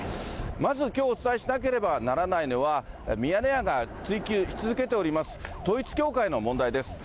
まずきょうお伝えしなければならないのは、ミヤネ屋が追及し続けております、統一教会の問題です。